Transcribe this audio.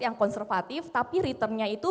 yang konservatif tapi returnnya itu